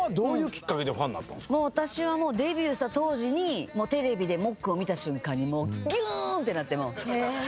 私はもうデビューした当時にテレビでもっくんを見た瞬間にぎゅーんってなってもう。